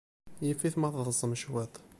Yif-it ma teḍḍsem cwiṭ.